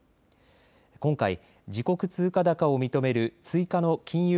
今回、自国通貨高を認める追加の金融